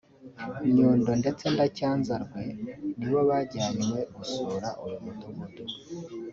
Nyundo na Cyanzarwe nibo bajyanywe gusura uyu mudugudu